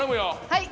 はい。